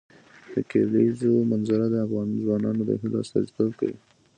د کلیزو منظره د افغان ځوانانو د هیلو استازیتوب کوي.